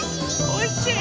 おいしい？